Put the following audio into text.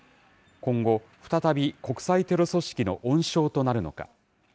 今後、再び、国際テロ組織の温床となるのか。